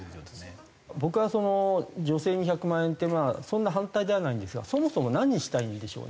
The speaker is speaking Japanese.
僕はその女性に１００万円ってそんな反対ではないんですがそもそも何したいんでしょうね。